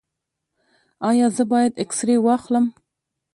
ایا زه باید اکسرې واخلم؟